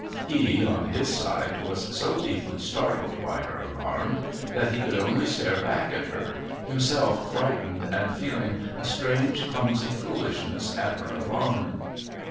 He, on his side, was so deeply startled by her alarm that he could only stare back at her, himself frightened and feeling a strange clumsy foolishness at her alarm.